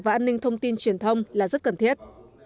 và an ninh thông tin truyền thông là rất cần thiết